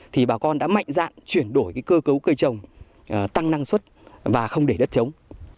thì bà con đã mạnh dạn chuyển đổi cơ cấu cây trồng tăng năng suất và không để đất chống